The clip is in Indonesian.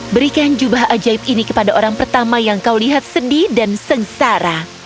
berikan jubah ajaib ini kepada orang pertama yang kau lihat sendi dan sengsara